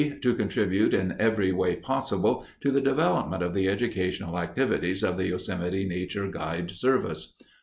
To contribute in every way possible to the development of the educational activities of the Yosemite Nature Guide Service.